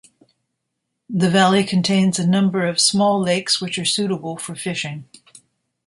The valley contains a number of small lakes which are suitable for fishing.